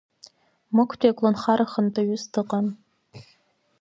Мықәтәи аколнхара хантәаҩыс дыҟан.